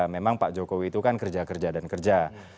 memang pak jokowi itu kan kerja kerja dan kerja